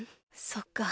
そっか。